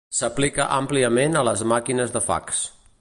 S'aplica àmpliament a les màquines de fax.